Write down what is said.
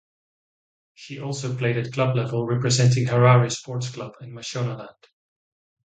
She also played at club level representing Harare Sports Club and Mashonaland.